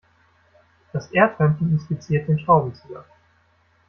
Das Erdhörnchen inspiziert den Schraubenzieher.